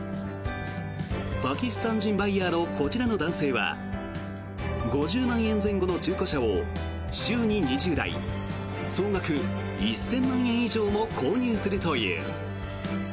パキスタン人バイヤーのこちらの男性は５０万円前後の中古車を週に２０台総額１０００万円以上も購入するという。